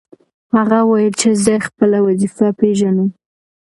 هغه وویل چې زه خپله وظیفه پېژنم.